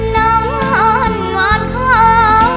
น้ำมันหวานเข้า